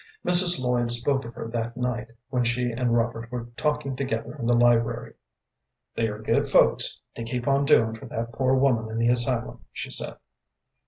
Mrs. Lloyd spoke of her that night, when she and Robert were talking together in the library. "They are good folks, to keep on doing for that poor woman in the asylum," she said.